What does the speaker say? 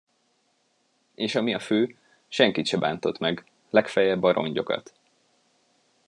És ami a fő, senkit se bántott meg, legfeljebb a rongyokat.